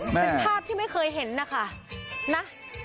เป็นภาพที่ไม่เคยเห็นนะคะนะ